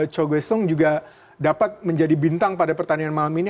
cho kye sung juga dapat menjadi bintang pada pertandingan malam ini